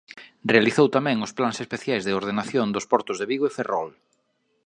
Realizou tamén os plans especiais de ordenación dos portos de Vigo e Ferrol.